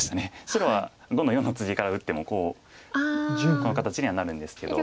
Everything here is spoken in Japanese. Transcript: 白は５の四のツギから打ってもこの形にはなるんですけど。